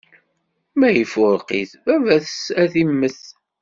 ma ifurq-it, baba-s ad immet.